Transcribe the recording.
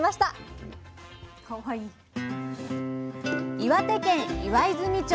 岩手県岩泉町。